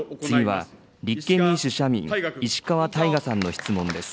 次は立憲民主・社民、石川大我さんの質問です。